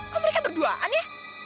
kok mereka berduaan ya